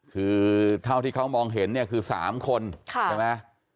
คือเท่าที่เขามองเห็นเนี่ยคือ๓คนใช่ไหม